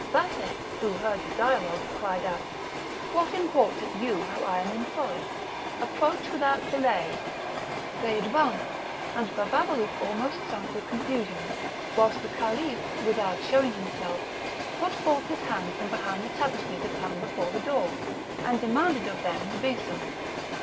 Vathek, who heard the dialogue, cried out: "What imports it you how I am employed? approach without delay." They advanced, and Bababalouk almost sunk with confusion, whilst the Caliph, without showing himself, put forth his hand from behind the tapestry that hung before the door, and demanded of them the besom.